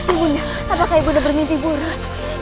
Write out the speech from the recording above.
ibu nda apakah ibu nda bermimpi buruk